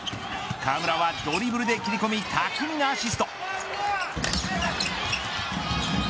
河村はドリブルで切り込み巧みなアシスト。